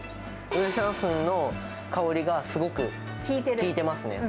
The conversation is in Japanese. ウーシャンフェンの香りがすごく効いてますね。